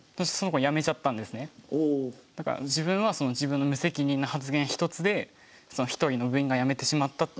だから自分はその自分の無責任な発言一つでその一人の部員がやめてしまったっていう。